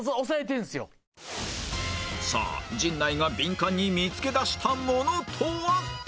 さあ陣内がビンカンに見つけ出したものとは？